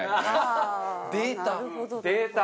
データ。